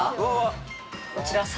こちら。